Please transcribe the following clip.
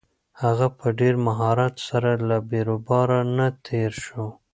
هغه په ډېر مهارت سره له بیروبار نه تېر شو.